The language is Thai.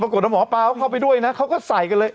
หมอปลาเขาเข้าไปด้วยนะเขาก็ใส่กันเลย